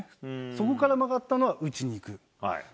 そこから曲がったのは打ちにいく。